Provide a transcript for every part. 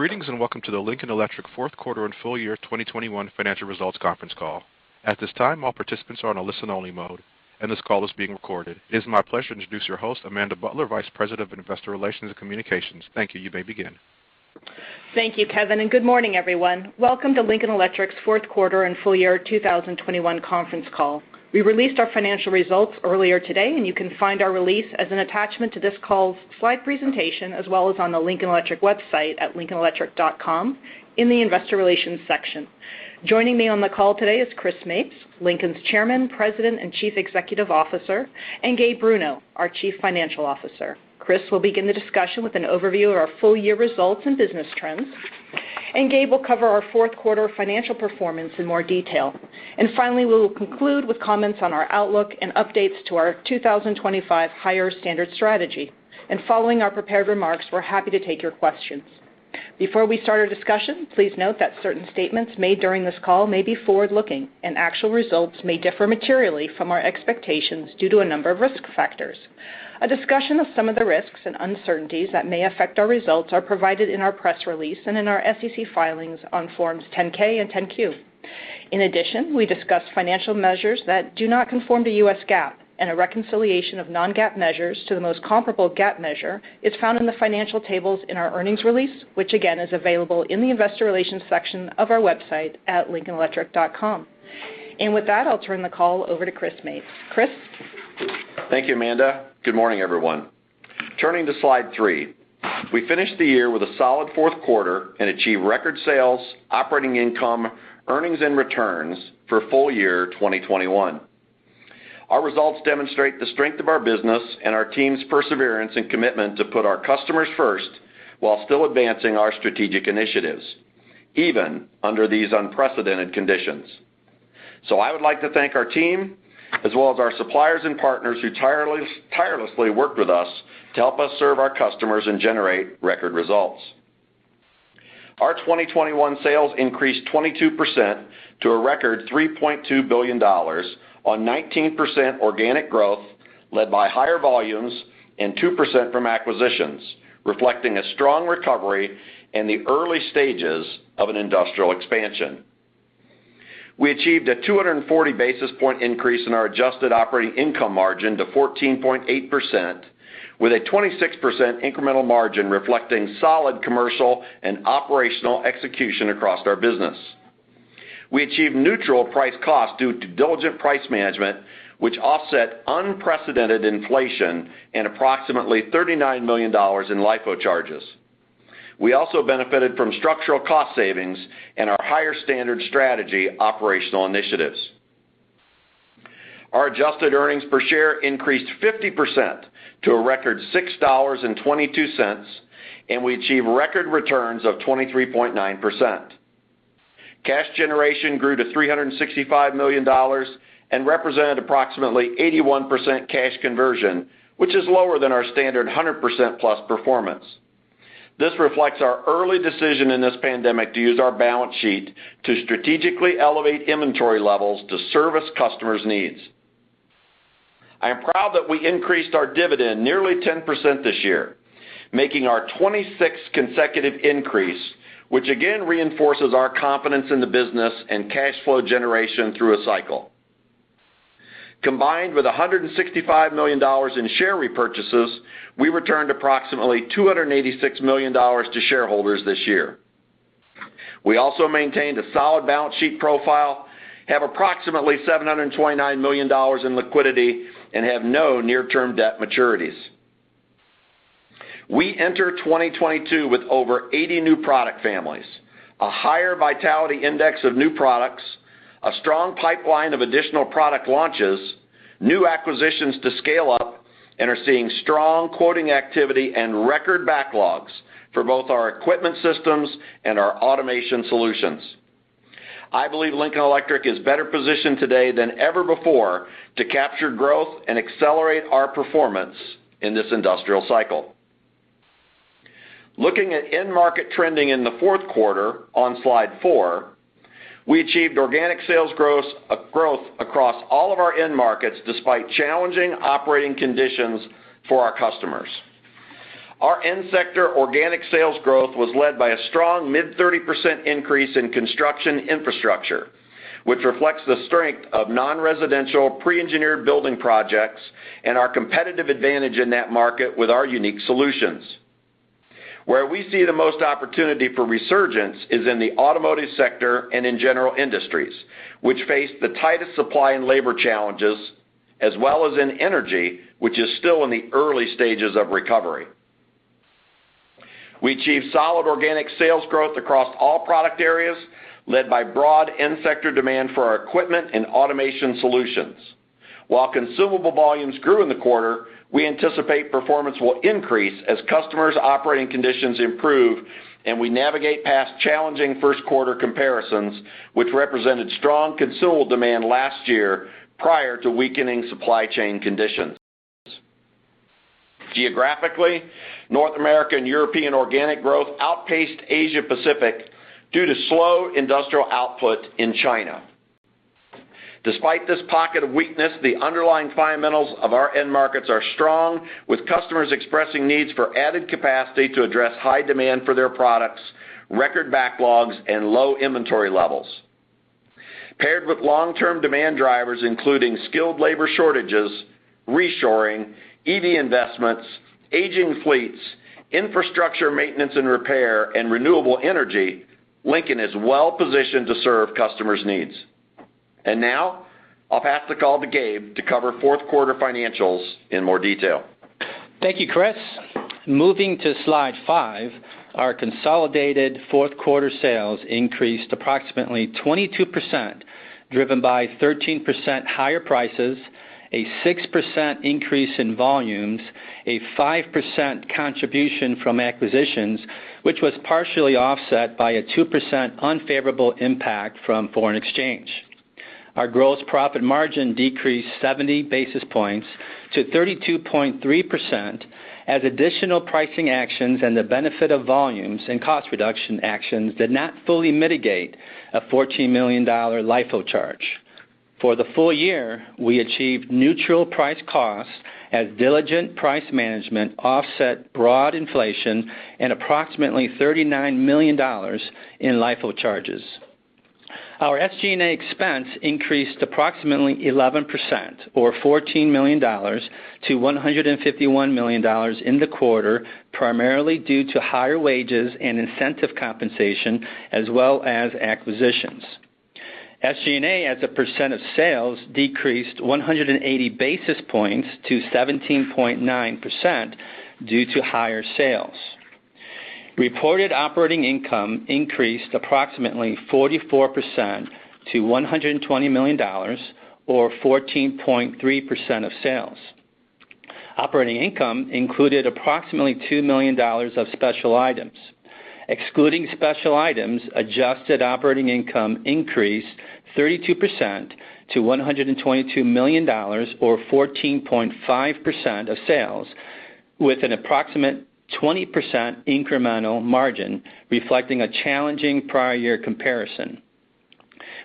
Greetings, and welcome to the Lincoln Electric fourth quarter and full year 2021 financial results conference call. At this time, all participants are in listen-only mode, and this call is being recorded. It is my pleasure to introduce your host, Amanda Butler, Vice President of Investor Relations and Communications. Thank you. You may begin. Thank you, Kevin, and good morning, everyone. Welcome to Lincoln Electric's fourth quarter and full year 2021 conference call. We released our financial results earlier today, and you can find our release as an attachment to this call's slide presentation as well as on the Lincoln Electric website at lincolnelectric.com in the Investor Relations section. Joining me on the call today is Chris Mapes, Lincoln's Chairman, President, and Chief Executive Officer, and Gabe Bruno, our Chief Financial Officer. Chris will begin the discussion with an overview of our full-year results and business trends, and Gabe will cover our fourth quarter financial performance in more detail. Finally, we will conclude with comments on our outlook and updates to our 2025 Higher Standard Strategy. Following our prepared remarks, we're happy to take your questions. Before we start our discussion, please note that certain statements made during this call may be forward-looking, and actual results may differ materially from our expectations due to a number of risk factors. A discussion of some of the risks and uncertainties that may affect our results are provided in our press release and in our SEC filings on Forms 10-K and 10-Q. In addition, we discuss financial measures that do not conform to US GAAP, and a reconciliation of non-GAAP measures to the most comparable GAAP measure is found in the financial tables in our earnings release, which again is available in the Investor Relations section of our website at lincolnelectric.com. With that, I'll turn the call over to Chris Mapes. Chris? Thank you, Amanda. Good morning, everyone. Turning to slide 3. We finished the year with a solid fourth quarter and achieved record sales, operating income, earnings, and returns for full year 2021. Our results demonstrate the strength of our business and our team's perseverance and commitment to put our customers first while still advancing our strategic initiatives, even under these unprecedented conditions. I would like to thank our team as well as our suppliers and partners who tirelessly worked with us to help us serve our customers and generate record results. Our 2021 sales increased 22% to a record $3.2 billion on 19% organic growth led by higher volumes and 2% from acquisitions, reflecting a strong recovery in the early stages of an industrial expansion. We achieved a 240 basis point increase in our adjusted operating income margin to 14.8% with a 26% incremental margin reflecting solid commercial and operational execution across our business. We achieved neutral price cost due to diligent price management, which offset unprecedented inflation and approximately $39 million in LIFO charges. We also benefited from structural cost savings and our Higher Standard Strategy operational initiatives. Our adjusted earnings per share increased 50% to a record $6.22, and we achieved record returns of 23.9%. Cash generation grew to $365 million and represented approximately 81% cash conversion, which is lower than our standard 100%+ performance. This reflects our early decision in this pandemic to use our balance sheet to strategically elevate inventory levels to service customers' needs. I am proud that we increased our dividend nearly 10% this year, making our 26th consecutive increase, which again reinforces our confidence in the business and cash flow generation through a cycle. Combined with $165 million in share repurchases, we returned approximately $286 million to shareholders this year. We also maintained a solid balance sheet profile, have approximately $729 million in liquidity, and have no near-term debt maturities. We enter 2022 with over 80 new product families, a higher vitality index of new products, a strong pipeline of additional product launches, new acquisitions to scale up, and are seeing strong quoting activity and record backlogs for both our equipment systems and our automation solutions. I believe Lincoln Electric is better positioned today than ever before to capture growth and accelerate our performance in this industrial cycle. Looking at end market trending in the fourth quarter on slide 4, we achieved organic sales growth across all of our end markets despite challenging operating conditions for our customers. Our end sector organic sales growth was led by a strong mid-30% increase in construction infrastructure, which reflects the strength of non-residential pre-engineered building projects and our competitive advantage in that market with our unique solutions. Where we see the most opportunity for resurgence is in the automotive sector and in general industries, which face the tightest supply and labor challenges, as well as in energy, which is still in the early stages of recovery. We achieved solid organic sales growth across all product areas, led by broad end sector demand for our equipment and automation solutions. While consumable volumes grew in the quarter, we anticipate performance will increase as customers' operating conditions improve, and we navigate past challenging first-quarter comparisons, which represented strong consumable demand last year prior to weakening supply chain conditions. Geographically, North American and European organic growth outpaced Asia Pacific due to slow industrial output in China. Despite this pocket of weakness, the underlying fundamentals of our end markets are strong, with customers expressing needs for added capacity to address high demand for their products, record backlogs, and low inventory levels. Paired with long-term demand drivers, including skilled labor shortages, reshoring, EV investments, aging fleets, infrastructure maintenance and repair, and renewable energy, Lincoln is well-positioned to serve customers' needs. Now I'll pass the call to Gabe to cover fourth quarter financials in more detail. Thank you, Chris. Moving to slide 5, our consolidated fourth quarter sales increased approximately 22%, driven by 13% higher prices, a 6% increase in volumes, a 5% contribution from acquisitions, which was partially offset by a 2% unfavorable impact from foreign exchange. Our gross profit margin decreased 70 basis points to 32.3% as additional pricing actions and the benefit of volumes and cost reduction actions did not fully mitigate a $14 million LIFO charge. For the full year, we achieved neutral price costs as diligent price management offset broad inflation and approximately $39 million in LIFO charges. Our SG&A expense increased approximately 11% or $14 million-$151 million in the quarter, primarily due to higher wages and incentive compensation as well as acquisitions. SG&A as a percent of sales decreased 180 basis points to 17.9% due to higher sales. Reported operating income increased approximately 44% to $120 million or 14.3% of sales. Operating income included approximately $2 million of special items. Excluding special items, adjusted operating income increased 32% to $122 million or 14.5% of sales with an approximate 20% incremental margin reflecting a challenging prior year comparison.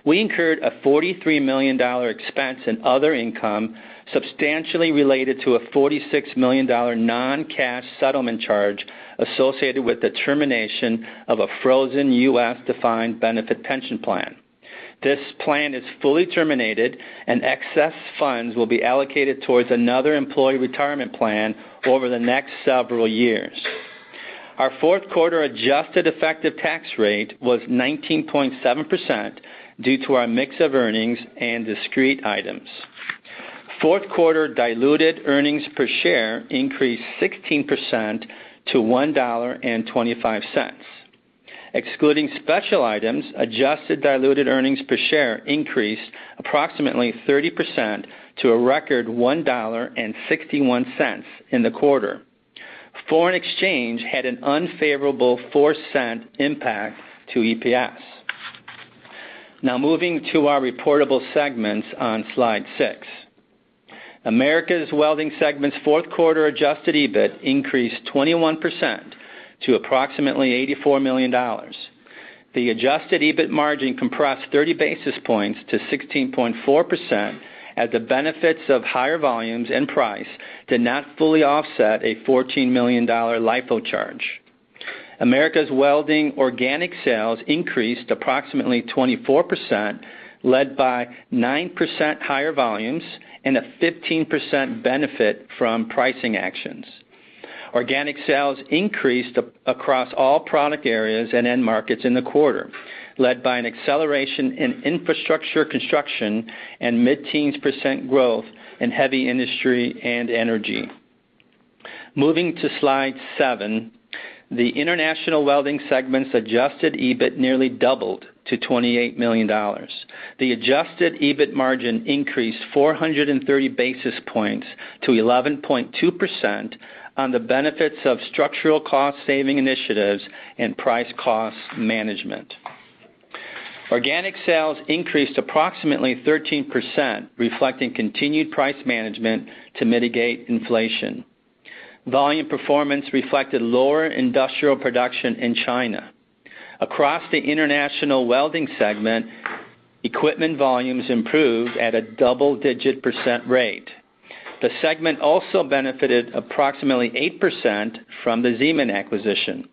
We incurred a $43 million expense in other income, substantially related to a $46 million non-cash settlement charge associated with the termination of a frozen U.S. defined benefit pension plan. This plan is fully terminated and excess funds will be allocated towards another employee retirement plan over the next several years. Our fourth quarter adjusted effective tax rate was 19.7% due to our mix of earnings and discrete items. Fourth quarter diluted earnings per share increased 16% to $1.25. Excluding special items, adjusted diluted earnings per share increased approximately 30% to a record $1.61 in the quarter. Foreign exchange had an unfavorable $0.04 impact to EPS. Now moving to our reportable segments on slide 6. Americas Welding segment's fourth quarter adjusted EBIT increased 21% to approximately $84 million. The adjusted EBIT margin compressed 30 basis points to 16.4% as the benefits of higher volumes and price did not fully offset a $14 million LIFO charge. Americas Welding organic sales increased approximately 24%, led by 9% higher volumes and a 15% benefit from pricing actions. Organic sales increased across all product areas and end markets in the quarter, led by an acceleration in infrastructure construction and mid-teens percent growth in heavy industry and energy. Moving to slide 7, the International Welding segment's adjusted EBIT nearly doubled to $28 million. The adjusted EBIT margin increased 430 basis points to 11.2% on the benefits of structural cost saving initiatives and price cost management. Organic sales increased approximately 13%, reflecting continued price management to mitigate inflation. Volume performance reflected lower industrial production in China. Across the International Welding segment, equipment volumes improved at a double-digit % rate. The segment also benefited approximately 8% from the Zeman acquisition.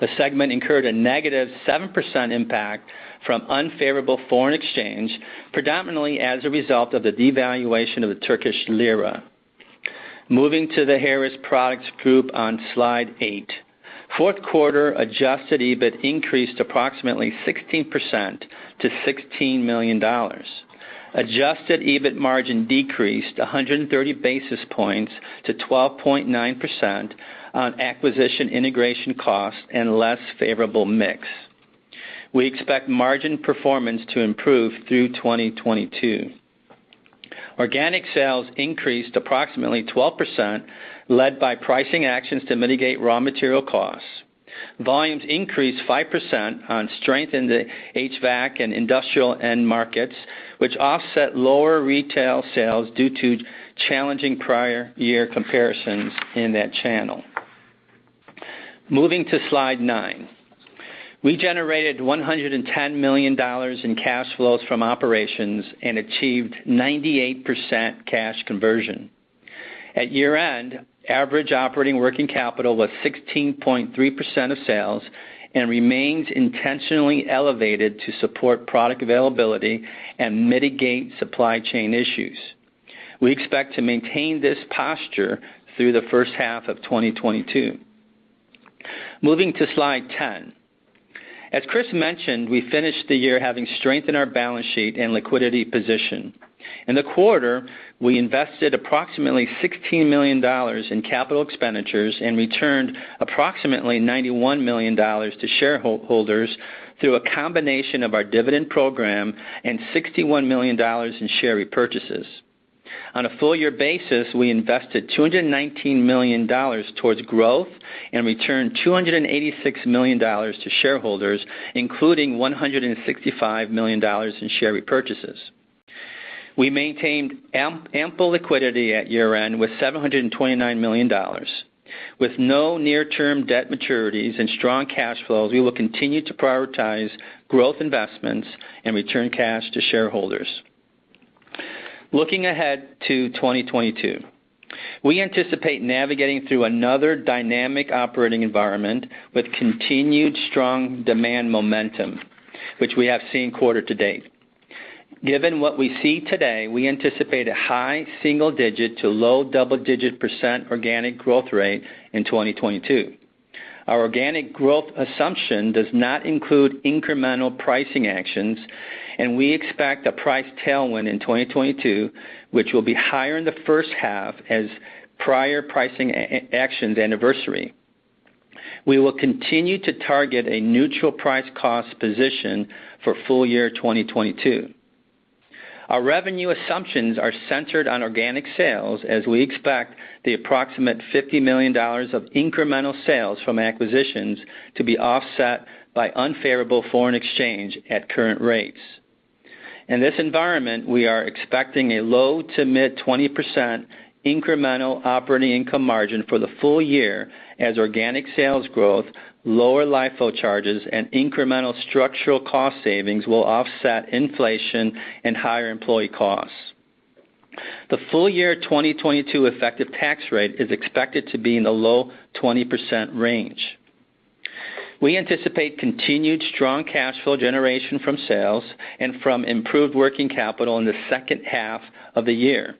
The segment incurred a negative 7% impact from unfavorable foreign exchange, predominantly as a result of the devaluation of the Turkish lira. Moving to the Harris Products Group on slide 8. Fourth quarter adjusted EBIT increased approximately 16% to $16 million. Adjusted EBIT margin decreased 130 basis points to 12.9% on acquisition integration costs and less favorable mix. We expect margin performance to improve through 2022. Organic sales increased approximately 12%, led by pricing actions to mitigate raw material costs. Volumes increased 5% on strength in the HVAC and industrial end markets, which offset lower retail sales due to challenging prior year comparisons in that channel. Moving to slide 9. We generated $110 million in cash flows from operations and achieved 98% cash conversion. At year-end, average operating working capital was 16.3% of sales and remains intentionally elevated to support product availability and mitigate supply chain issues. We expect to maintain this posture through the first half of 2022. Moving to slide 10. As Chris mentioned, we finished the year having strengthened our balance sheet and liquidity position. In the quarter, we invested approximately $16 million in capital expenditures and returned approximately $91 million to shareholders through a combination of our dividend program and $61 million in share repurchases. On a full year basis, we invested $219 million towards growth and returned $286 million to shareholders, including $165 million in share repurchases. We maintained ample liquidity at year-end with $729 million. With no near-term debt maturities and strong cash flows, we will continue to prioritize growth investments and return cash to shareholders. Looking ahead to 2022, we anticipate navigating through another dynamic operating environment with continued strong demand momentum, which we have seen quarter to date. Given what we see today, we anticipate a high single-digit to low double-digit % organic growth rate in 2022. Our organic growth assumption does not include incremental pricing actions, and we expect a price tailwind in 2022, which will be higher in the first half as prior pricing anniversaries. We will continue to target a neutral price cost position for full year 2022. Our revenue assumptions are centered on organic sales, as we expect the approximate $50 million of incremental sales from acquisitions to be offset by unfavorable foreign exchange at current rates. In this environment, we are expecting a low- to mid-20% incremental operating income margin for the full year as organic sales growth, lower LIFO charges, and incremental structural cost savings will offset inflation and higher employee costs. The full-year 2022 effective tax rate is expected to be in the low 20% range. We anticipate continued strong cash flow generation from sales and from improved working capital in the second half of the year.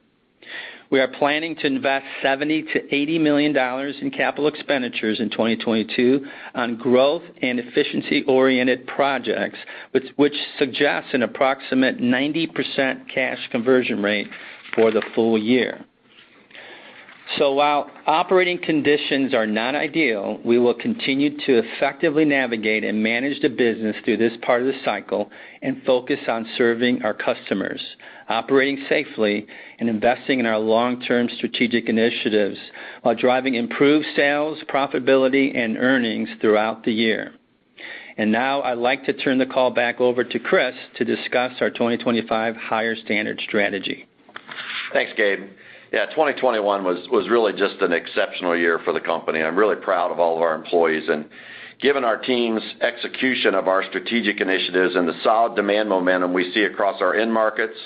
We are planning to invest $70 million-$80 million in capital expenditures in 2022 on growth and efficiency-oriented projects, which suggests an approximate 90% cash conversion rate for the full year. While operating conditions are not ideal, we will continue to effectively navigate and manage the business through this part of the cycle and focus on serving our customers, operating safely, and investing in our long-term strategic initiatives while driving improved sales, profitability, and earnings throughout the year. Now I'd like to turn the call back over to Chris to discuss our 2025 Higher Standard Strategy. Thanks, Gabe. Yeah. 2021 was really just an exceptional year for the company. I'm really proud of all of our employees. Given our team's execution of our strategic initiatives and the solid demand momentum we see across our end markets,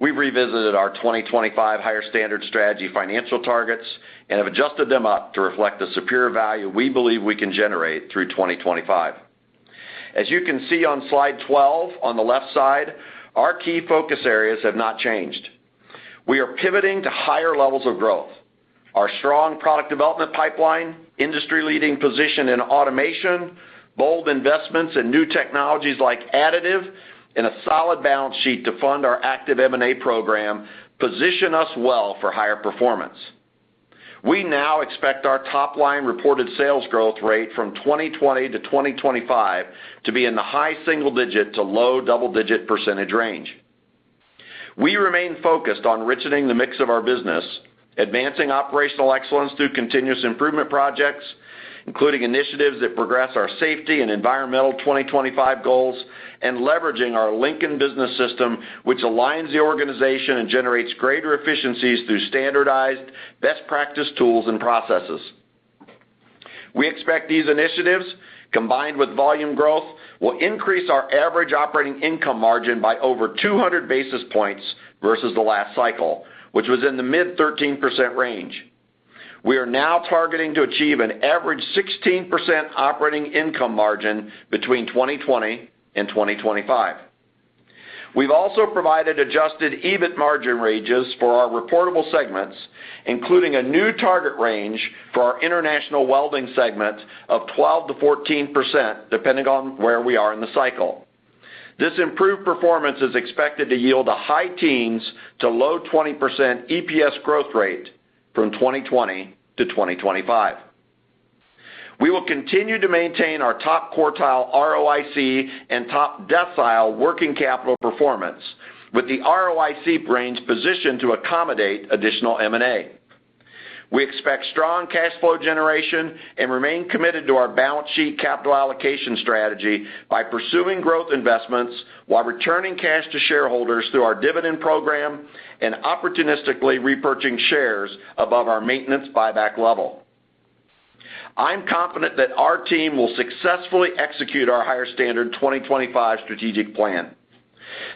we've revisited our 2025 Higher Standard Strategy financial targets and have adjusted them up to reflect the superior value we believe we can generate through 2025. As you can see on slide 12 on the left side, our key focus areas have not changed. We are pivoting to higher levels of growth. Our strong product development pipeline, industry-leading position in automation, bold investments in new technologies like additive, and a solid balance sheet to fund our active M&A program position us well for higher performance. We now expect our top-line reported sales growth rate from 2020-2025 to be in the high single-digit to low double-digit % range. We remain focused on richening the mix of our business, advancing operational excellence through continuous improvement projects, including initiatives that progress our safety and environmental 2025 goals, and leveraging our Lincoln Business System, which aligns the organization and generates greater efficiencies through standardized best practice tools and processes. We expect these initiatives, combined with volume growth, will increase our average operating income margin by over 200 basis points versus the last cycle, which was in the mid-13% range. We are now targeting to achieve an average 16% operating income margin between 2020 and 2025. We've also provided adjusted EBIT margin ranges for our reportable segments, including a new target range for our international welding segment of 12%-14%, depending on where we are in the cycle. This improved performance is expected to yield a high teens to low 20% EPS growth rate from 2020-2025. We will continue to maintain our top quartile ROIC and top decile working capital performance, with the ROIC range positioned to accommodate additional M&A. We expect strong cash flow generation and remain committed to our balance sheet capital allocation strategy by pursuing growth investments while returning cash to shareholders through our dividend program and opportunistically repurchasing shares above our maintenance buyback level. I'm confident that our team will successfully execute our higher standard 2025 strategic plan.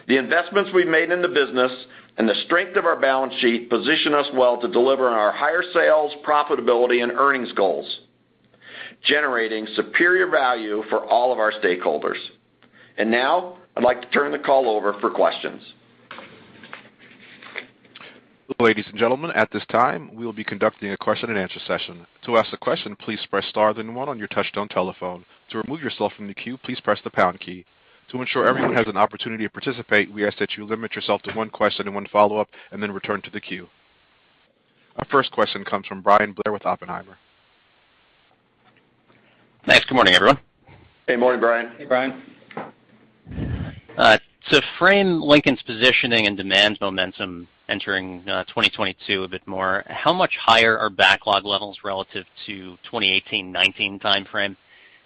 The investments we've made in the business and the strength of our balance sheet position us well to deliver on our higher sales, profitability, and earnings goals, generating superior value for all of our stakeholders. Now, I'd like to turn the call over for questions. Ladies and gentlemen, at this time, we will be conducting a question-and-answer session. To ask a question, please press star then one on your touchtone telephone. To remove yourself from the queue, please press the pound key. To ensure everyone has an opportunity to participate, we ask that you limit yourself to one question and one follow-up and then return to the queue. Our first question comes from Bryan Blair with Oppenheimer. Thanks. Good morning, everyone. Good morning, Bryan. Hey, Bryan. To frame Lincoln's positioning and demand momentum entering 2022 a bit more, how much higher are backlog levels relative to 2018-2019 timeframe,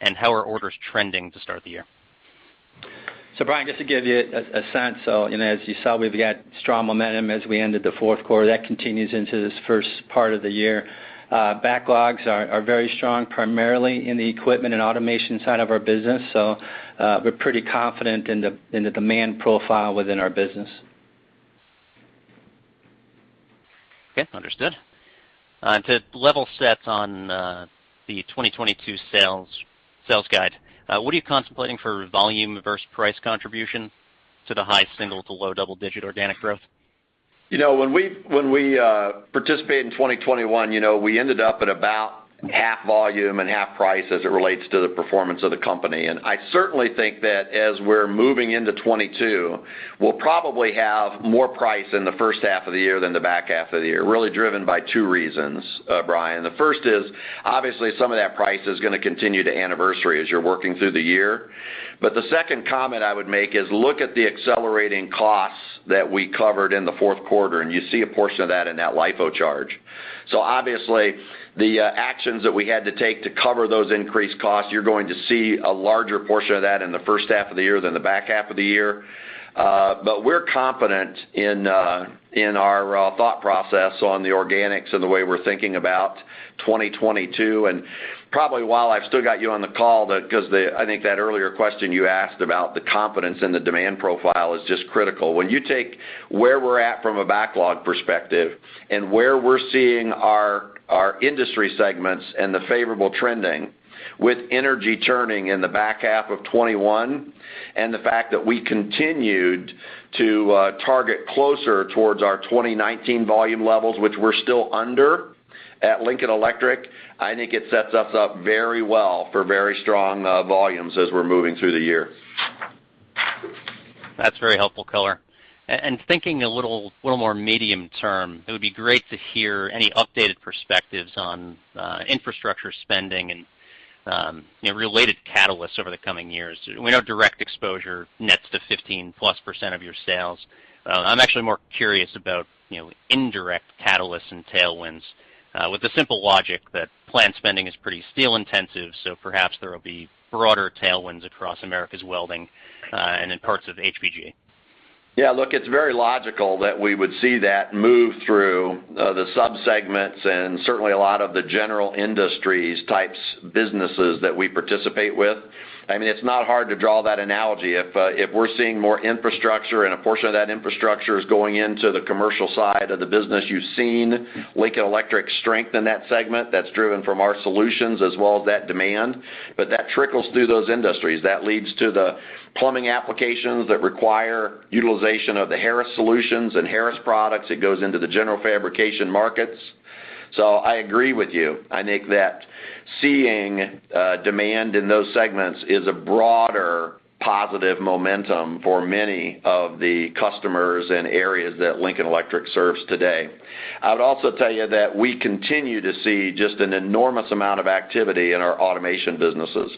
and how are orders trending to start the year? Bryan, just to give you a sense, you know, as you saw, we've got strong momentum as we ended the fourth quarter. That continues into this first part of the year. Backlogs are very strong, primarily in the equipment and automation side of our business. We're pretty confident in the demand profile within our business. Okay, understood. To level set on the 2022 sales guide, what are you contemplating for volume versus price contribution to the high single-digit to low double-digit organic growth? You know, when we participate in 2021, you know, we ended up at about half volume and half price as it relates to the performance of the company. I certainly think that as we're moving into 2022, we'll probably have more price in the first half of the year than the back half of the year, really driven by 2 reasons, Bryan. The first is, obviously, some of that price is gonna continue to anniversary as you're working through the year. The second comment I would make is look at the accelerating costs that we covered in the fourth quarter, and you see a portion of that in that LIFO charge. Obviously, the actions that we had to take to cover those increased costs, you're going to see a larger portion of that in the first half of the year than the back half of the year. We're confident in our thought process on the organics and the way we're thinking about 2022. Probably while I've still got you on the call, because I think that earlier question you asked about the confidence in the demand profile is just critical. When you take where we're at from a backlog perspective and where we're seeing our industry segments and the favorable trending with energy churning in the back half of 2021, and the fact that we continued to target closer towards our 2019 volume levels, which we're still under at Lincoln Electric, I think it sets us up very well for very strong volumes as we're moving through the year. That's very helpful color. Thinking a little more medium term, it would be great to hear any updated perspectives on infrastructure spending and you know, related catalysts over the coming years. We know direct exposure nets to 15%+ of your sales. I'm actually more curious about you know, indirect catalysts and tailwinds with the simple logic that plant spending is pretty steel-intensive, so perhaps there will be broader tailwinds across Americas Welding and in parts of HPG. Yeah. Look, it's very logical that we would see that move through the subsegments and certainly a lot of the general industries types businesses that we participate with. I mean, it's not hard to draw that analogy. If we're seeing more infrastructure and a portion of that infrastructure is going into the commercial side of the business, you've seen Lincoln Electric strength in that segment that's driven from our solutions as well as that demand. That trickles through those industries. That leads to the plumbing applications that require utilization of the Harris solutions and Harris products. It goes into the general fabrication markets. I agree with you. I think that seeing demand in those segments is a broader positive momentum for many of the customers and areas that Lincoln Electric serves today. I would also tell you that we continue to see just an enormous amount of activity in our automation businesses,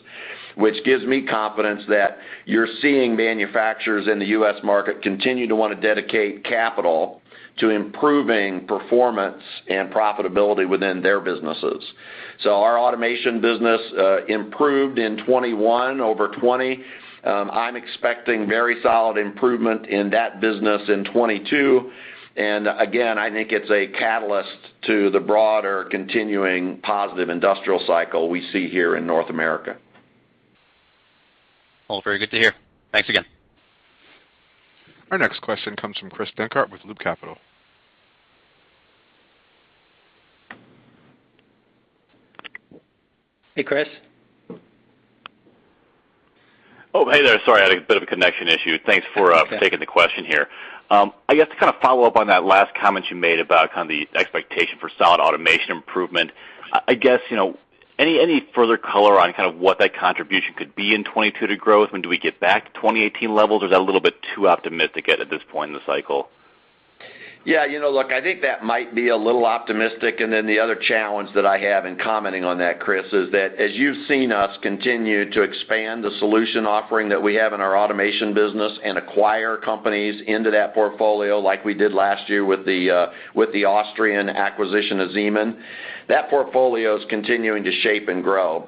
which gives me confidence that you're seeing manufacturers in the US market continue to wanna dedicate capital to improving performance and profitability within their businesses. Our automation business improved in 2021 over 2020. I'm expecting very solid improvement in that business in 2022. I think it's a catalyst to the broader continuing positive industrial cycle we see here in North America. All very good to hear. Thanks again. Our next question comes from Chris Dankert with Loop Capital. Hey, Chris. Oh, hey there. Sorry, I had a bit of a connection issue. Thanks for taking the question here. I guess to kind of follow up on that last comment you made about kind of the expectation for solid automation improvement, I guess, you know, any further color on kind of what that contribution could be in 2022 to growth? When do we get back to 2018 levels, or is that a little bit too optimistic at this point in the cycle? Yeah. You know, look, I think that might be a little optimistic, and then the other challenge that I have in commenting on that, Chris, is that as you've seen us continue to expand the solution offering that we have in our automation business and acquire companies into that portfolio like we did last year with the Austrian acquisition of Zeman, that portfolio is continuing to shape and grow.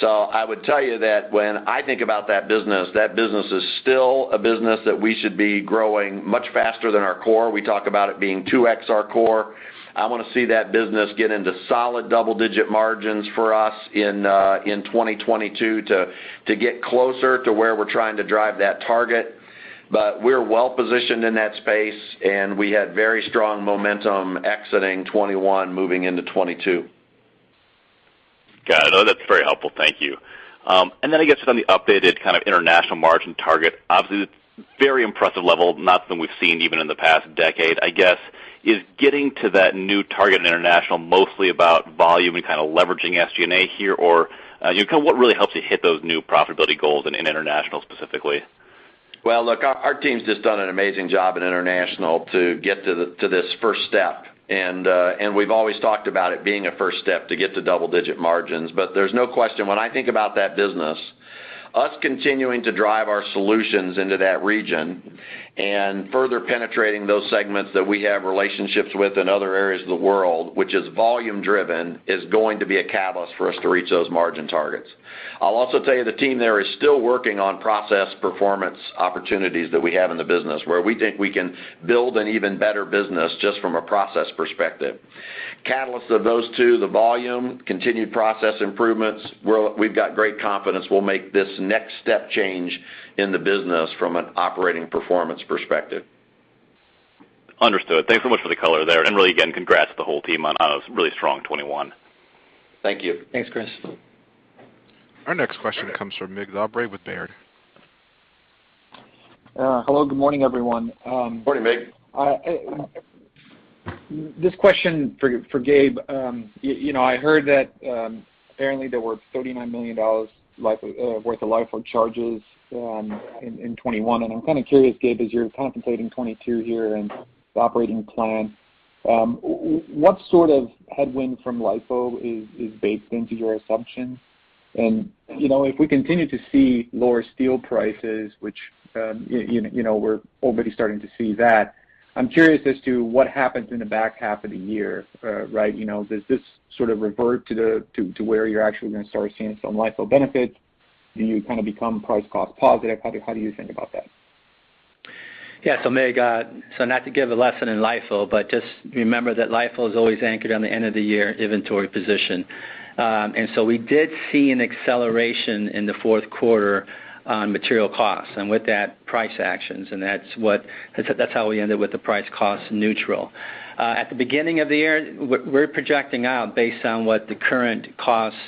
So I would tell you that when I think about that business, that business is still a business that we should be growing much faster than our core. We talk about it being 2XR core. I wanna see that business get into solid double-digit margins for us in 2022 to get closer to where we're trying to drive that target. We're well-positioned in that space, and we had very strong momentum exiting 2021 moving into 2022. Got it. No, that's very helpful. Thank you. I guess on the updated kind of international margin target, obviously, very impressive level, not that we've seen even in the past decade. I guess, is getting to that new target in international mostly about volume and kind of leveraging SG&A here, or, you know, what really helps you hit those new profitability goals in international specifically? Well, look, our team's just done an amazing job in international to get to this first step. We've always talked about it being a first step to get to double-digit margins. There's no question when I think about that business, us continuing to drive our solutions into that region and further penetrating those segments that we have relationships with in other areas of the world, which is volume driven, is going to be a catalyst for us to reach those margin targets. I'll also tell you the team there is still working on process performance opportunities that we have in the business, where we think we can build an even better business just from a process perspective. Catalysts of those two, the volume, continued process improvements, we've got great confidence we'll make this next step change in the business from an operating performance perspective. Understood. Thanks so much for the color there. Really, again, congrats to the whole team on a really strong 2021. Thank you. Thanks, Chris. Our next question comes from Mig Dobre with Baird. Hello, good morning, everyone. Morning, Mig. I have this question for Gabe. You know, I heard that apparently there were $39 million worth of LIFO charges in 2021. I'm kind of curious, Gabe, as you're contemplating 2022 here and the operating plan, what sort of headwind from LIFO is baked into your assumptions? You know, if we continue to see lower steel prices, which, you know, we're already starting to see that, I'm curious as to what happens in the back half of the year, right? Does this sort of revert to where you're actually gonna start seeing some LIFO benefits? Do you kind of become price cost positive? How do you think about that? Yeah. Mig, not to give a lesson in LIFO, but just remember that LIFO is always anchored on the end of the year inventory position. We did see an acceleration in the fourth quarter on material costs and with that price actions, and that's how we ended with the price cost neutral. At the beginning of the year, we're projecting out based on what the current costs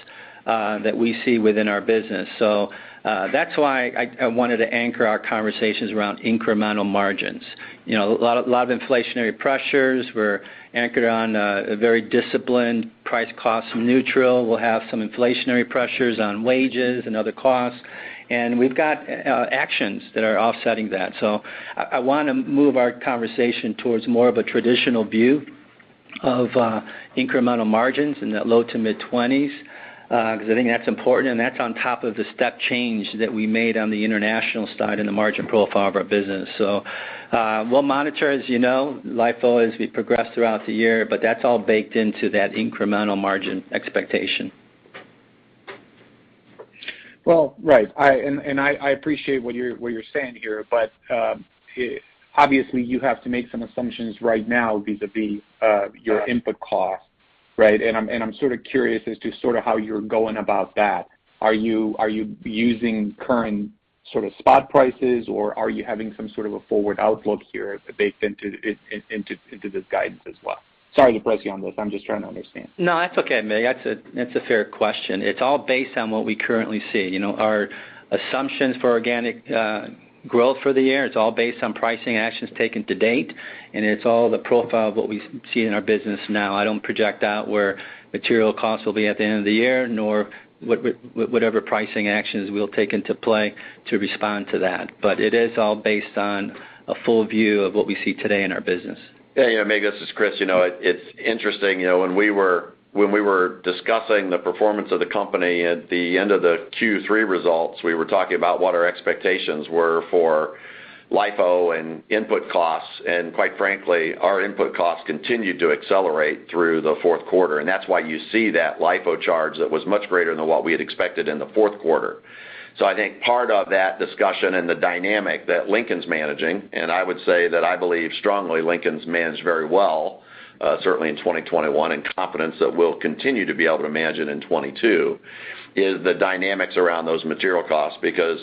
that we see within our business. That's why I wanted to anchor our conversations around incremental margins. You know, a lot of inflationary pressures were anchored on a very disciplined price cost neutral. We'll have some inflationary pressures on wages and other costs, and we've got actions that are offsetting that. I wanna move our conversation towards more of a traditional view of incremental margins in that low- to mid-20s%, because I think that's important, and that's on top of the step change that we made on the international side and the margin profile of our business. We'll monitor, as you know, LIFO as we progress throughout the year, but that's all baked into that incremental margin expectation. Well, right. I appreciate what you're saying here, but obviously, you have to make some assumptions right now vis-à-vis your input cost, right? I'm sort of curious as to sort of how you're going about that. Are you using current sort of spot prices, or are you having some sort of a forward outlook here baked into this guidance as well? Sorry to press you on this. I'm just trying to understand. No, that's okay, Mig. That's a fair question. It's all based on what we currently see. You know, our assumptions for organic growth for the year, it's all based on pricing actions taken to date, and it's all the profile of what we see in our business now. I don't project out where material costs will be at the end of the year, nor whatever pricing actions we'll take into play to respond to that. But it is all based on a full view of what we see today in our business. Yeah. Yeah, Mig, this is Chris. You know, it's interesting, you know, when we were discussing the performance of the company at the end of the Q3 results, we were talking about what our expectations were for LIFO and input costs. Quite frankly, our input costs continued to accelerate through the fourth quarter, and that's why you see that LIFO charge that was much greater than what we had expected in the fourth quarter. I think part of that discussion and the dynamic that Lincoln's managing, and I would say that I believe strongly Lincoln's managed very well, certainly in 2021, and confidence that we'll continue to be able to manage it in 2022, is the dynamics around those material costs. Because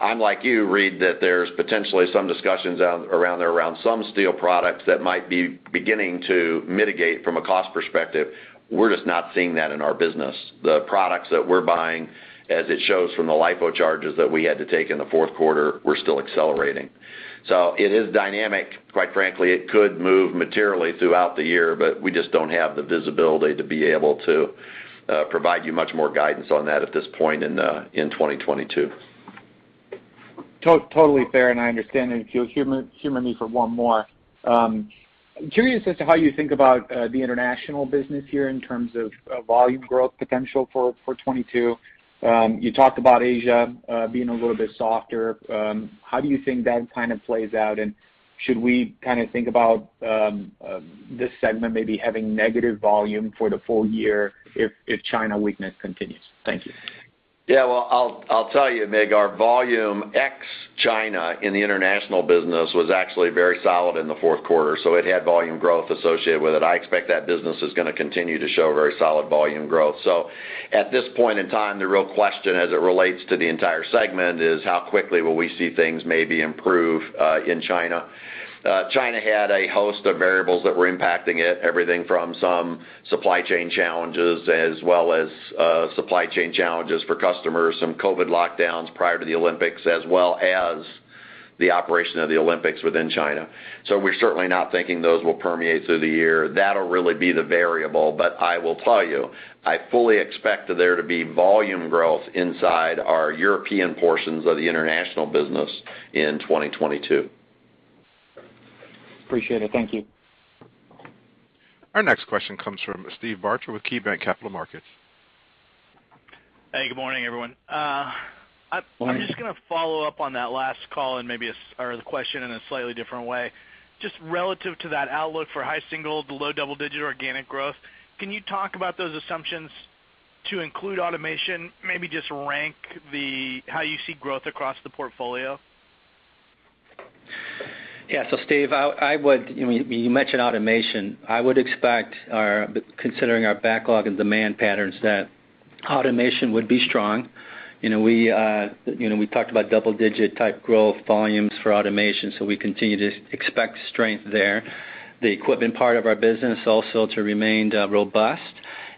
I, like you, read that there's potentially some discussions out around there around some steel products that might be beginning to mitigate from a cost perspective. We're just not seeing that in our business. The products that we're buying, as it shows from the LIFO charges that we had to take in the fourth quarter, we're still accelerating. It is dynamic. Quite frankly, it could move materially throughout the year, but we just don't have the visibility to be able to provide you much more guidance on that at this point in 2022. Totally fair. I understand. If you'll humor me for one more. Curious as to how you think about the international business here in terms of volume growth potential for 2022. You talked about Asia being a little bit softer. How do you think that kind of plays out? Should we kinda think about this segment maybe having negative volume for the full year if China weakness continues? Thank you. Yeah. Well, I'll tell you, Mig, our volume ex China in the international business was actually very solid in the fourth quarter, so it had volume growth associated with it. I expect that business is gonna continue to show very solid volume growth. At this point in time, the real question as it relates to the entire segment is how quickly will we see things maybe improve in China. China had a host of variables that were impacting it, everything from some supply chain challenges as well as supply chain challenges for customers, some COVID lockdowns prior to the Olympics, as well as the operation of the Olympics within China. We're certainly not thinking those will permeate through the year. That'll really be the variable, but I will tell you, I fully expect there to be volume growth inside our European portions of the international business in 2022. Appreciate it. Thank you. Our next question comes from Steve Barger with KeyBanc Capital Markets. Hey, good morning, everyone. Morning. I'm just gonna follow up on that last call and maybe or the question in a slightly different way. Just relative to that outlook for high single-digit to low double-digit organic growth, can you talk about those assumptions to include automation, maybe just rank how you see growth across the portfolio? Steve, you mentioned automation. I would expect, considering our backlog and demand patterns, that automation would be strong. You know, we talked about double-digit type growth volumes for automation, so we continue to expect strength there. The equipment part of our business also to remain robust.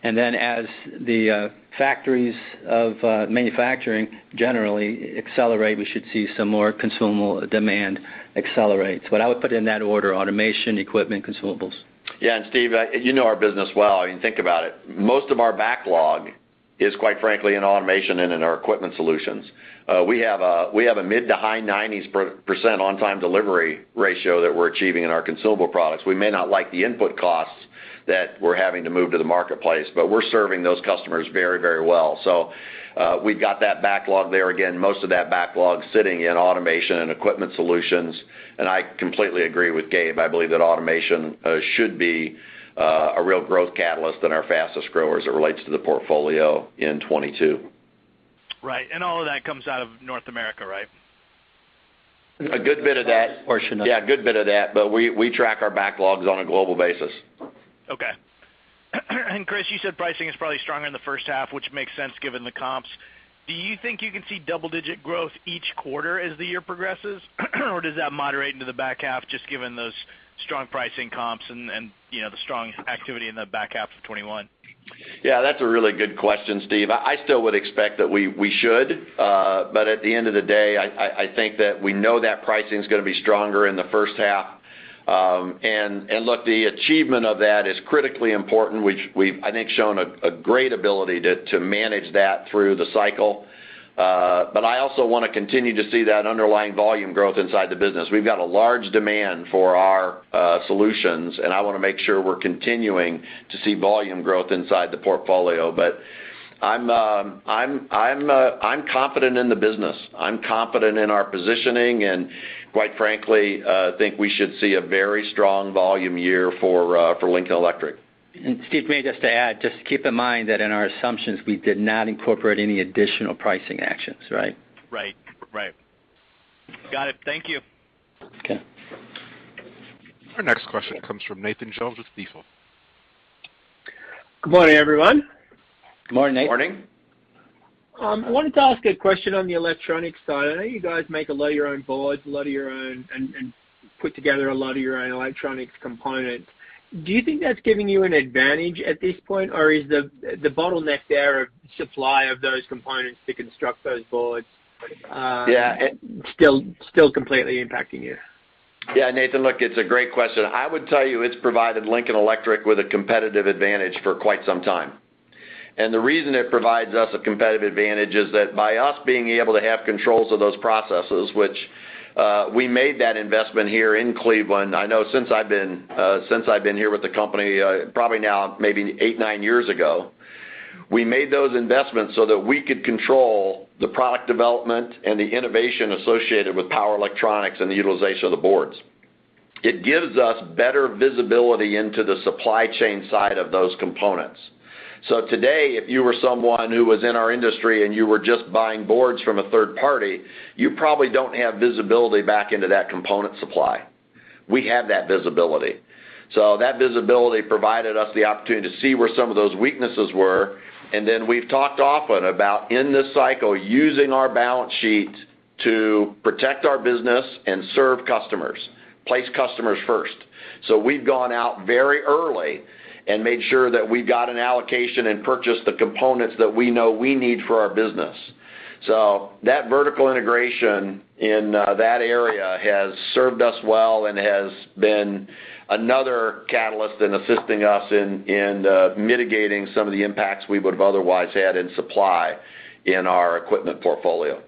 Then as the factories of manufacturing generally accelerate, we should see some more consumable demand accelerate. I would put it in that order, automation, equipment, consumables. Yeah. Steve, you know our business well. I mean, think about it. Most of our backlog is quite frankly in automation and in our equipment solutions. We have a mid- to high-90s% on-time delivery ratio that we're achieving in our consumable products. We may not like the input costs that we're having to move to the marketplace, but we're serving those customers very, very well. We've got that backlog there. Again, most of that backlog sitting in automation and equipment solutions. I completely agree with Gabe. I believe that automation should be a real growth catalyst and our fastest growing as it relates to the portfolio in 2022. Right. All of that comes out of North America, right? A good bit of that. Should not. Yeah, a good bit of that, but we track our backlogs on a global basis. Okay. Chris, you said pricing is probably stronger in the first half, which makes sense given the comps. Do you think you can see double-digit growth each quarter as the year progresses, or does that moderate into the back half just given those strong pricing comps and you know, the strong activity in the back half of 2021? Yeah, that's a really good question, Steve. I still would expect that we should. At the end of the day, I think that we know that pricing's gonna be stronger in the first half. Look, the achievement of that is critically important, which we've, I think, shown a great ability to manage that through the cycle. I also want to continue to see that underlying volume growth inside the business. We've got a large demand for our solutions, and I want to make sure we're continuing to see volume growth inside the portfolio. I'm confident in the business. I'm confident in our positioning, and quite frankly, think we should see a very strong volume year for Lincoln Electric. Steve, may I just add, just keep in mind that in our assumptions, we did not incorporate any additional pricing actions, right? Right. Right. Got it. Thank you. Okay. Our next question comes from Nathan Jones with Stifel. Good morning, everyone. Good morning, Nathan. Morning. I wanted to ask a question on the electronic side. I know you guys make a lot of your own boards and put together a lot of your own electronics components. Do you think that's giving you an advantage at this point, or is the bottleneck there of supply of those components to construct those boards? Yeah. Still completely impacting you? Yeah, Nathan. Look, it's a great question. I would tell you it's provided Lincoln Electric with a competitive advantage for quite some time. The reason it provides us a competitive advantage is that by us being able to have controls of those processes, which we made that investment here in Cleveland, I know since I've been here with the company, probably now maybe 8, 9 years ago, we made those investments so that we could control the product development and the innovation associated with power electronics and the utilization of the boards. It gives us better visibility into the supply chain side of those components. So today, if you were someone who was in our industry and you were just buying boards from a third party, you probably don't have visibility back into that component supply. We have that visibility. That visibility provided us the opportunity to see where some of those weaknesses were, and then we've talked often about in this cycle, using our balance sheet to protect our business and serve customers, place customers first. We've gone out very early and made sure that we got an allocation and purchased the components that we know we need for our business. That vertical integration in that area has served us well and has been another catalyst in assisting us in mitigating some of the impacts we would have otherwise had in our supply chain in our equipment portfolio.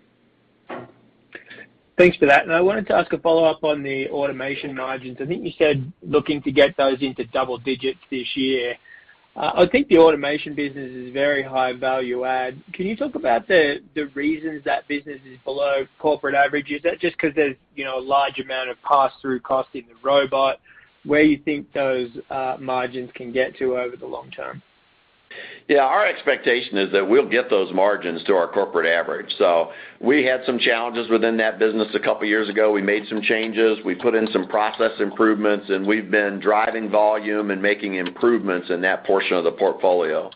Thanks for that. I wanted to ask a follow-up on the automation margins. I think you said looking to get those into double digits this year. I think the automation business is very high value add. Can you talk about the reasons that business is below corporate average? Is that just 'cause there's, you know, a large amount of pass-through cost in the robot? Where do you think those margins can get to over the long term? Yeah, our expectation is that we'll get those margins to our corporate average. We had some challenges within that business a couple years ago. We made some changes. We put in some process improvements, and we've been driving volume and making improvements in that portion of the portfolio.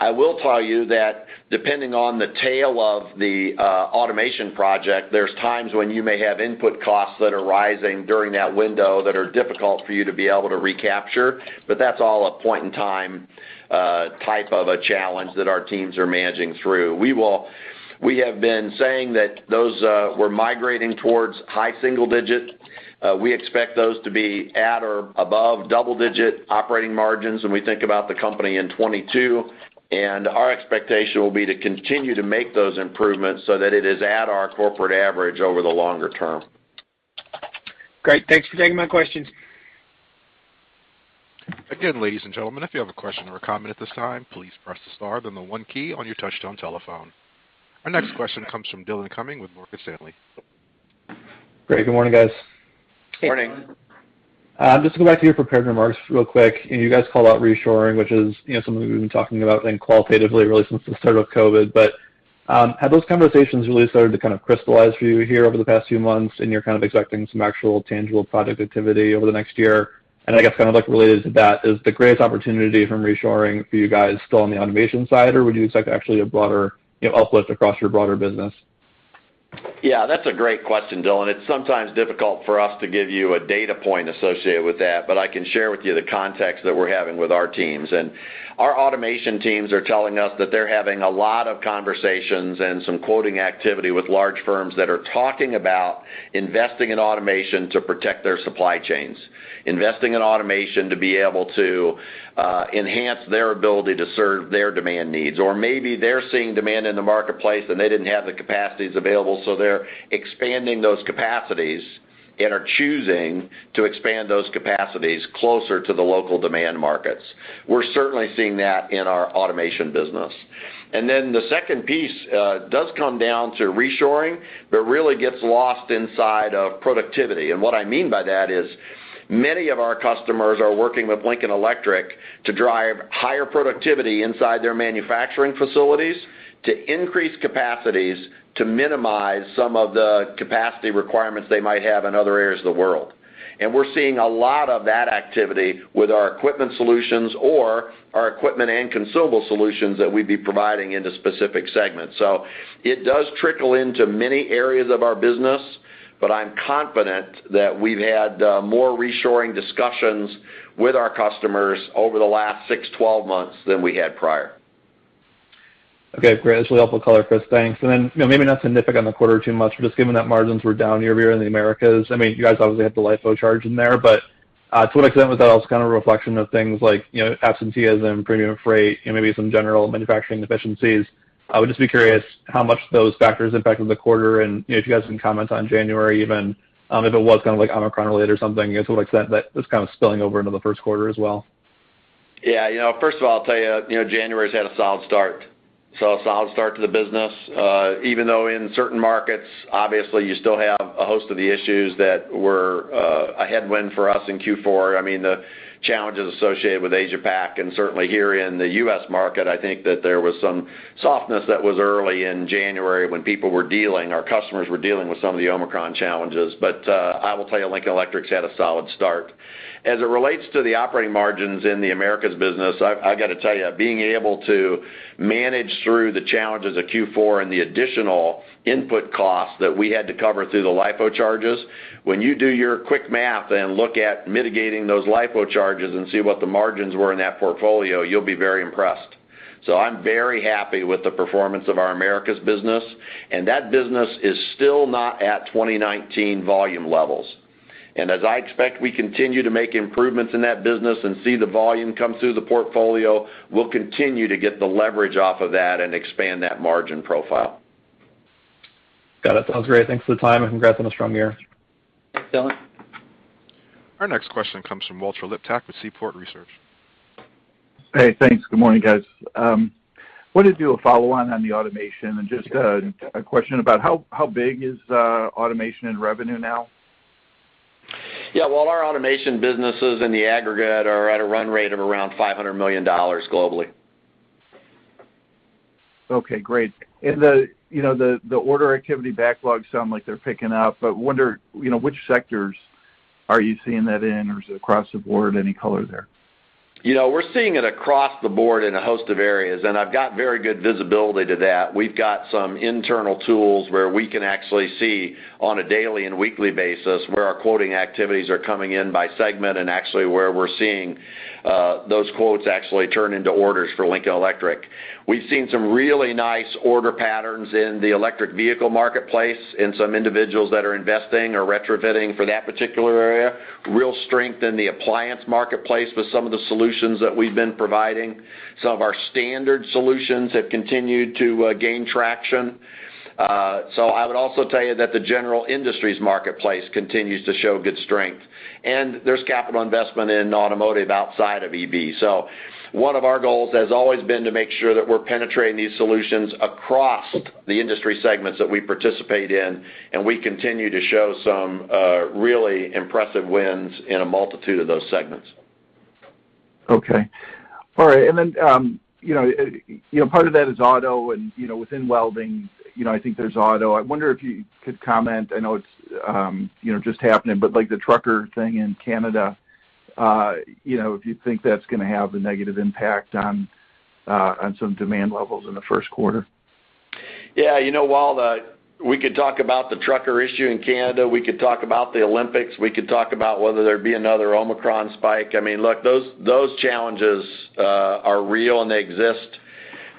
I will tell you that depending on the tail of the automation project, there's times when you may have input costs that are rising during that window that are difficult for you to be able to recapture, but that's all a point-in-time type of a challenge that our teams are managing through. We have been saying that those, we're migrating towards high single digit. We expect those to be at or above double-digit operating margins when we think about the company in 2022, and our expectation will be to continue to make those improvements so that it is at our corporate average over the longer term. Great. Thanks for taking my questions. Again, ladies and gentlemen, if you have a question or a comment at this time, please press the star then the one key on your touchtone telephone. Our next question comes from Dillon Cumming with Morgan Stanley. Great. Good morning, guys. Good morning. Just to go back to your prepared remarks real quick. You guys called out reshoring, which is, you know, something we've been talking about then qualitatively really since the start of COVID. Have those conversations really started to kind of crystallize for you here over the past few months, and you're kind of expecting some actual tangible project activity over the next year? I guess kind of like related to that, is the greatest opportunity from reshoring for you guys still on the automation side, or would you expect actually a broader, you know, uplift across your broader business? Yeah, that's a great question, Dylan. It's sometimes difficult for us to give you a data point associated with that, but I can share with you the context that we're having with our teams. Our automation teams are telling us that they're having a lot of conversations and some quoting activity with large firms that are talking about investing in automation to protect their supply chains, investing in automation to be able to enhance their ability to serve their demand needs. Maybe they're seeing demand in the marketplace, and they didn't have the capacities available, so they're expanding those capacities and are choosing to expand those capacities closer to the local demand markets. We're certainly seeing that in our automation business. The second piece does come down to reshoring but really gets lost inside of productivity. What I mean by that is many of our customers are working with Lincoln Electric to drive higher productivity inside their manufacturing facilities to increase capacities to minimize some of the capacity requirements they might have in other areas of the world. We're seeing a lot of that activity with our equipment solutions or our equipment and consumable solutions that we'd be providing into specific segments. It does trickle into many areas of our business, but I'm confident that we've had more reshoring discussions with our customers over the last six, 12 months than we had prior. Okay, great. That's really helpful color, Chris. Thanks. Then, you know, maybe not significant on the quarter too much, but just given that margins were down year-over-year in the Americas, I mean, you guys obviously have the LIFO charge in there, but to what extent was that also kind of a reflection of things like, you know, absenteeism, premium freight, you know, maybe some general manufacturing efficiencies? I would just be curious how much those factors impacted the quarter, and, you know, if you guys can comment on January even, if it was kind of like Omicron-related or something, you know, to what extent that is kind of spilling over into the first quarter as well. Yeah. You know, first of all, I'll tell you know, January's had a solid start. Saw a solid start to the business, even though in certain markets, obviously you still have a host of the issues that were a headwind for us in Q4. I mean, the challenges associated with Asia Pac and certainly here in the US market, I think that there was some softness that was early in January when people were dealing or customers were dealing with some of the Omicron challenges. I will tell you, Lincoln Electric's had a solid start. As it relates to the operating margins in the Americas business, I gotta tell you, being able to manage through the challenges of Q4 and the additional input costs that we had to cover through the LIFO charges, when you do your quick math and look at mitigating those LIFO charges and see what the margins were in that portfolio, you'll be very impressed. So I'm very happy with the performance of our Americas business, and that business is still not at 2019 volume levels. As I expect we continue to make improvements in that business and see the volume come through the portfolio, we'll continue to get the leverage off of that and expand that margin profile. Got it. Sounds great. Thanks for the time, and congrats on a strong year. Thanks, Dillon. Our next question comes from Walter Liptak with Seaport Research. Hey, thanks. Good morning, guys. Wanted to do a follow-on on the automation and just a question about how big is automation in revenue now? Yeah. Well, our automation businesses in the aggregate are at a run rate of around $500 million globally. Okay, great. You know, the order activity backlogs sound like they're picking up, but I wonder, you know, which sectors are you seeing that in, or is it across the board? Any color there? You know, we're seeing it across the board in a host of areas, and I've got very good visibility to that. We've got some internal tools where we can actually see on a daily and weekly basis where our quoting activities are coming in by segment and actually where we're seeing those quotes actually turn into orders for Lincoln Electric. We've seen some really nice order patterns in the electric vehicle marketplace, in some individuals that are investing or retrofitting for that particular area. Real strength in the appliance marketplace with some of the solutions that we've been providing. Some of our standard solutions have continued to gain traction. So I would also tell you that the general industries marketplace continues to show good strength. There's capital investment in automotive outside of EV. One of our goals has always been to make sure that we're penetrating these solutions across the industry segments that we participate in, and we continue to show some really impressive wins in a multitude of those segments. Okay. All right. You know, part of that is auto and, you know, within welding, you know, I think there's auto. I wonder if you could comment. I know it's you know, just happening, but like the trucker thing in Canada, you know, if you think that's gonna have a negative impact on some demand levels in the first quarter. Yeah. You know, Walt, we could talk about the trucker issue in Canada, we could talk about the Olympics, we could talk about whether there'd be another Omicron spike. I mean, look, those challenges are real and they exist,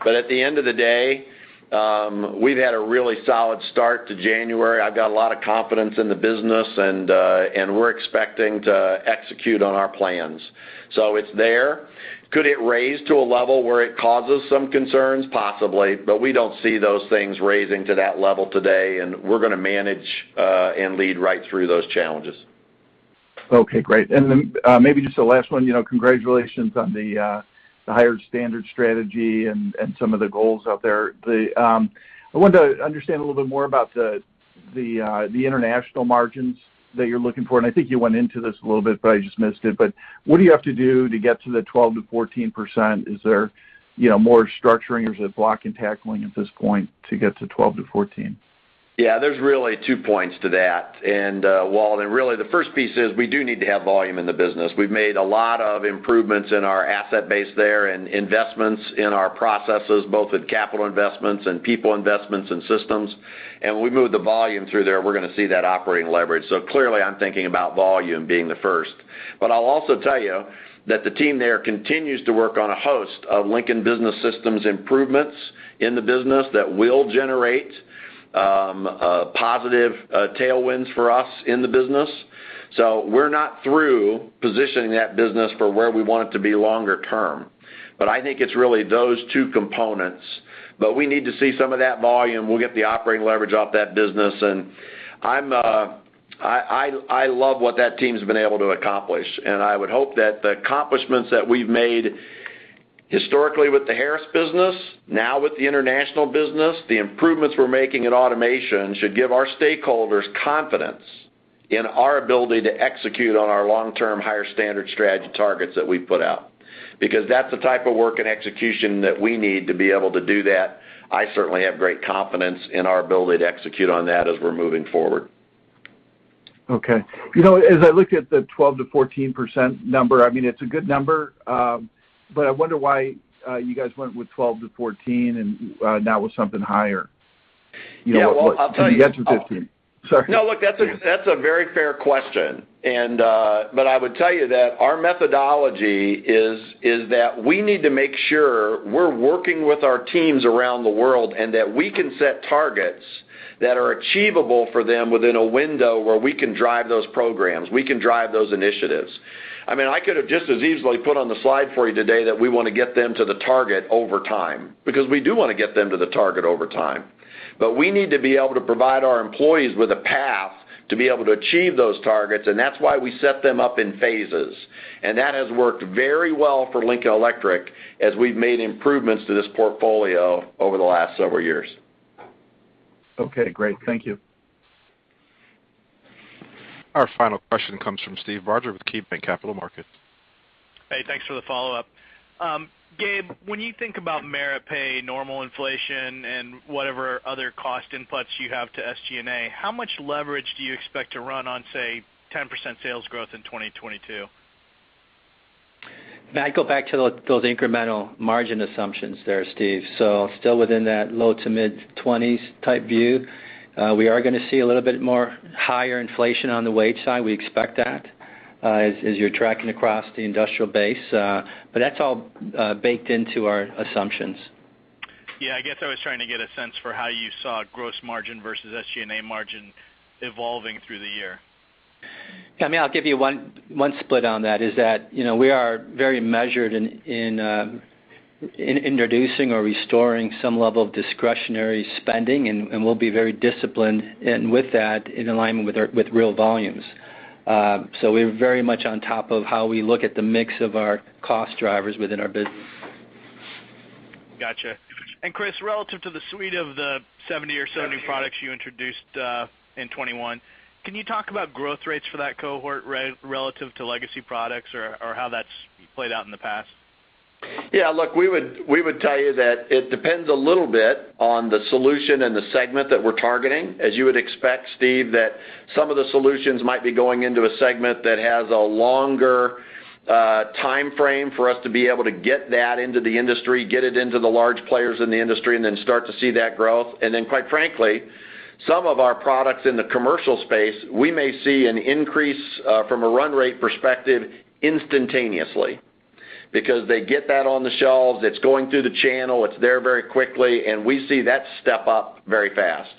but at the end of the day, we've had a really solid start to January. I've got a lot of confidence in the business and we're expecting to execute on our plans. It's there. Could it raise to a level where it causes some concerns? Possibly, but we don't see those things raising to that level today, and we're gonna manage and lead right through those challenges. Okay, great. Maybe just a last one, you know, congratulations on the higher standard strategy and some of the goals out there. I wanted to understand a little bit more about the international margins that you're looking for, and I think you went into this a little bit, but I just missed it. What do you have to do to get to the 12%-14%? Is there, you know, more structuring? Is it block and tackling at this point to get to 12%-14%? Yeah. There's really two points to that. Walt, really the first piece is we do need to have volume in the business. We've made a lot of improvements in our asset base there and investments in our processes, both with capital investments and people investments and systems. When we move the volume through there, we're gonna see that operating leverage. Clearly, I'm thinking about volume being the first. I'll also tell you that the team there continues to work on a host of Lincoln Business System improvements in the business that will generate positive tailwinds for us in the business. We're not through positioning that business for where we want it to be longer term, but I think it's really those two components. We need to see some of that volume. We'll get the operating leverage off that business and I love what that team's been able to accomplish, and I would hope that the accomplishments that we've made historically with the Harris business, now with the international business, the improvements we're making in automation should give our stakeholders confidence in our ability to execute on our long-term Higher Standard Strategy targets that we've put out. Because that's the type of work and execution that we need to be able to do that. I certainly have great confidence in our ability to execute on that as we're moving forward. Okay. You know, as I look at the 12%-14% number, I mean, it's a good number, but I wonder why you guys went with 12%-14% and not with something higher. You know. Yeah. Well, I'll tell you. Can you get to 15? Sorry. No, look, that's a very fair question and, but I would tell you that our methodology is that we need to make sure we're working with our teams around the world, and that we can set targets that are achievable for them within a window where we can drive those programs, we can drive those initiatives. I mean, I could have just as easily put on the slide for you today that we wanna get them to the target over time, because we do wanna get them to the target over time. We need to be able to provide our employees with a path to be able to achieve those targets, and that's why we set them up in phases. That has worked very well for Lincoln Electric as we've made improvements to this portfolio over the last several years. Okay, great. Thank you. Our final question comes from Steve Barger with KeyBanc Capital Markets. Hey, thanks for the follow-up. Gabe, when you think about merit pay, normal inflation, and whatever other cost inputs you have to SG&A, how much leverage do you expect to run on, say, 10% sales growth in 2022? I'd go back to those incremental margin assumptions there, Steve. Still within that low- to mid-20s% type view. We are gonna see a little bit more higher inflation on the wage side. We expect that, as you're tracking across the industrial base. But that's all baked into our assumptions. Yeah. I guess I was trying to get a sense for how you saw gross margin versus SG&A margin evolving through the year. I mean, I'll give you one split on that is that, you know, we are very measured in introducing or restoring some level of discretionary spending, and we'll be very disciplined, and with that, in alignment with our real volumes. So we're very much on top of how we look at the mix of our cost drivers within our business. Gotcha. Chris, relative to the suite of the 70 or so new products you introduced in 2021, can you talk about growth rates for that cohort relative to legacy products or how that's played out in the past? Yeah. Look, we would tell you that it depends a little bit on the solution and the segment that we're targeting. As you would expect, Steve, that some of the solutions might be going into a segment that has a longer timeframe for us to be able to get that into the industry, get it into the large players in the industry, and then start to see that growth. Quite frankly, some of our products in the commercial space, we may see an increase from a run rate perspective instantaneously. Because they get that on the shelves, it's going through the channel, it's there very quickly, and we see that step up very fast.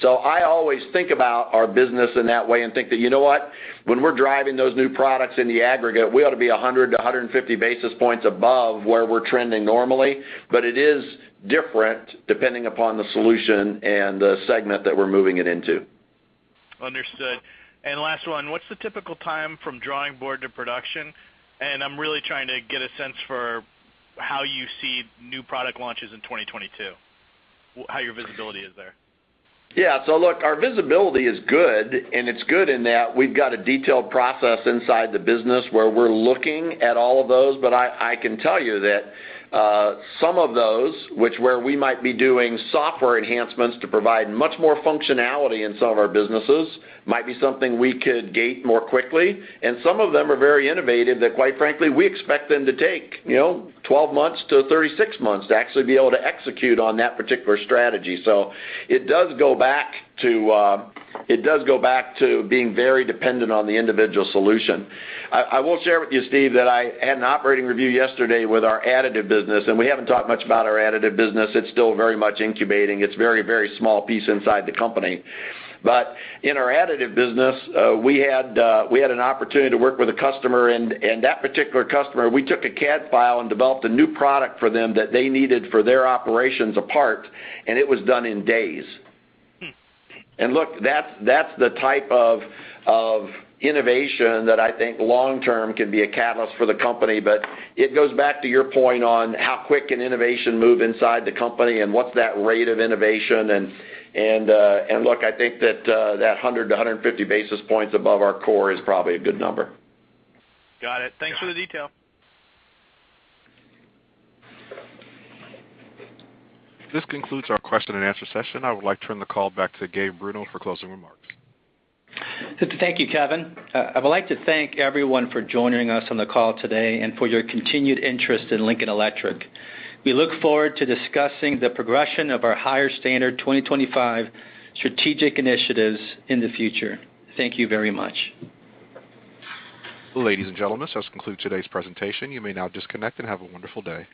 I always think about our business in that way and think that, you know what? When we're driving those new products in the aggregate, we ought to be 100-150 basis points above where we're trending normally. It is different depending upon the solution and the segment that we're moving it into. Understood. Last one, what's the typical time from drawing board to production? I'm really trying to get a sense for how you see new product launches in 2022, how your visibility is there. Yeah. Look, our visibility is good, and it's good in that we've got a detailed process inside the business where we're looking at all of those. I can tell you that some of those which where we might be doing software enhancements to provide much more functionality in some of our businesses might be something we could gate more quickly, and some of them are very innovative that quite frankly, we expect them to take, you know, 12 months-36 months to actually be able to execute on that particular strategy. It does go back to being very dependent on the individual solution. I will share with you, Steve, that I had an operating review yesterday with our additive business, and we haven't talked much about our additive business. It's still very much incubating. It's very, very small piece inside the company. In our additive business, we had an opportunity to work with a customer and that particular customer, we took a CAD file and developed a new product for them that they needed for their operations, a part, and it was done in days. Hmm. Look, that's the type of innovation that I think long-term can be a catalyst for the company. It goes back to your point on how quick can innovation move inside the company and what's that rate of innovation and look, I think that 100-150 basis points above our core is probably a good number. Got it. Thanks for the detail. This concludes our question and answer session. I would like to turn the call back to Gabe Bruno for closing remarks. Thank you, Kevin. I would like to thank everyone for joining us on the call today and for your continued interest in Lincoln Electric. We look forward to discussing the progression of our Higher Standard 2025 strategic initiatives in the future. Thank you very much. Ladies and gentlemen, this concludes today's presentation. You may now disconnect and have a wonderful day.